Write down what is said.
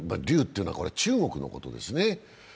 竜っていうのは中国のことですね。